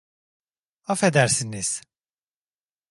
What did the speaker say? Afedersiniz!